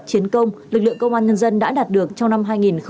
chiến công lực lượng công an nhân dân đã đạt được trong năm hai nghìn hai mươi ba